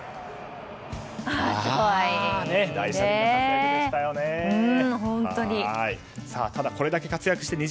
大車輪の活躍でしたよね。